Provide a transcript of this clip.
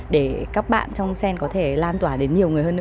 để các bạn trong sen có thể lan tỏa đến nhiều người hơn nữa